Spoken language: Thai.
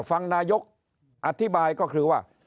ฟังนายกอธิบายก็คือว่า